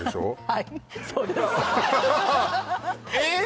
はいそうですえっ！